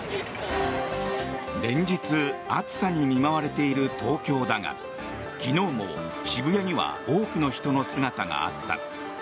連日暑さに見舞われている東京だが昨日も渋谷には多くの人の姿があった。